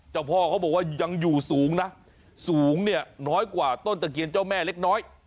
เจ้าพ่อเขาบอกว่ายังอยู่สูงนะสูงเนี่ยน้อยกว่าต้นตะเคียนเจ้าแม่เล็กน้อย